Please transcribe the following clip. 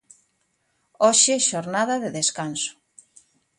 Hoxe xornada de descanso.